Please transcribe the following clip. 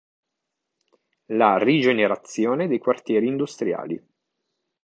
La rigenerazione dei quartieri industriali.